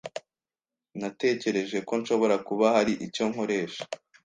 Natekereje ko nshobora kuba hari icyo nkoresha.